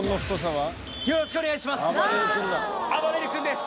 よろしくお願いします。